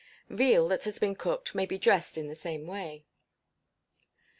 Veal that has been cooked may be dressed in the same way.